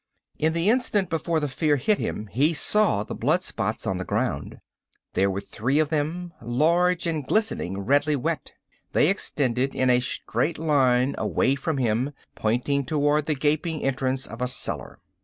In the instant before the fear hit him he saw the blood spots on the ground. There were three of them, large and glistening redly wet. They extended in a straight line away from him, pointing towards the gaping entrance of a cellar.